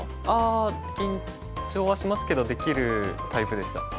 ああ緊張はしますけどできるタイプでした。